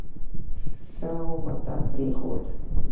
شاهو ملتان پرېښود.